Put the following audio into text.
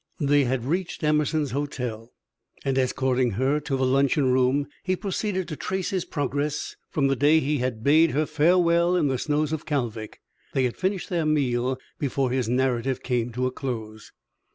They had reached Emerson's hotel, and, escorting her to the luncheon room, he proceeded to trace his progress from the day he had bade her farewell in the snows of Kalvik. They had finished their meal before his narrative came to a close.